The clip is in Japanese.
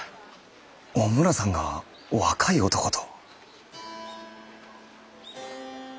おむらさんが若い男と？